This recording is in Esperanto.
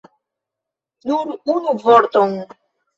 Nur unu vorton!